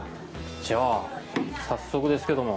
じゃあ早速ですけども。